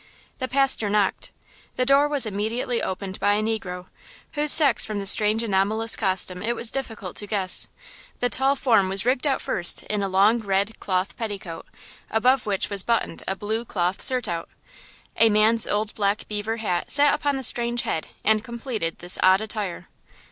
The pastor knocked. The door was immediately opened by a negro, whose sex from the strange anomalous costume it was difficult to guess. The tall form was rigged out first in a long, red, cloth petticoat, above which was buttoned a blue cloth surtout. A man's old black beaver hat sat upon the strange head and completed this odd attire.